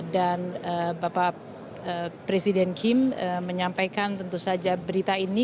dan bapak presiden kim menyampaikan tentu saja berita ini